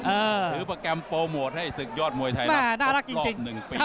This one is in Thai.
ถือประแกรมโปรโมทให้ศึกยอดมวยไทยรับครบ๑ปี